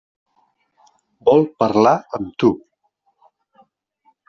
Vol parlar amb tu.